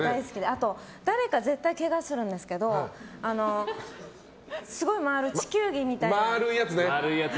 あと、誰かが絶対けがするんですけどすごい回る地球儀みたいな。